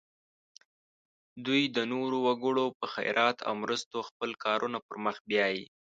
دوی د نورو وګړو په خیرات او مرستو خپل کارونه پر مخ بیایي.